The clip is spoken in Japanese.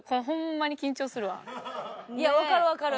いやわかるわかる！